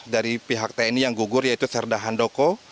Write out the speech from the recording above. dari pihak tni yang gugur yaitu serdah handoko